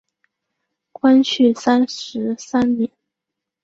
光绪三十三年。